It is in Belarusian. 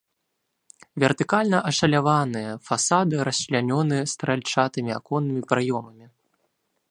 Вертыкальна ашаляваныя фасады расчлянёны стральчатымі аконнымі праёмамі.